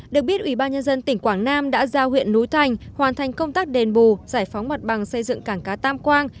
được biết ủy ban nhân dân tỉnh quảng nam đã giao huyện núi thành hoàn thành công tác đền bù giải phóng mặt bằng xây dựng cảng cá tam quang